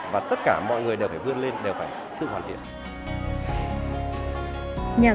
và tất cả mọi người đều phải vươn lên đều phải tự hoàn thiện